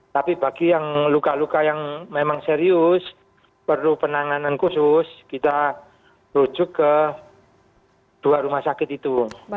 tapi bagi yang luka luka yang memang serius perlu penanganan khusus kita rujuk ke dua rumah sakit itu